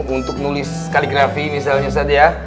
untuk nulis kaligrafi misalnya saja ya